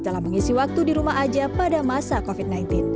dalam mengisi waktu di rumah aja pada masa covid sembilan belas